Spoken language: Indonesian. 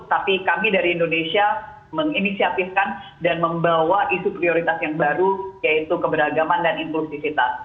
tapi kami dari indonesia menginisiatifkan dan membawa isu prioritas yang baru yaitu keberagaman dan inklusivitas